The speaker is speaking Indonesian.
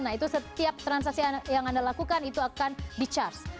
nah itu setiap transaksi yang anda lakukan itu akan di charge